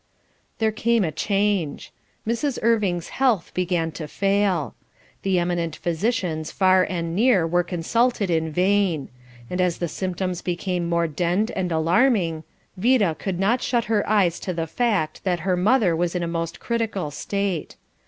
There came a change. Mrs. Irving's health began to fail. The eminent physicians far and near were consulted in vain; and as the symptoms became more denned and alarming, Vida could not shut her eyes to the fact that her mother was in a most critical state.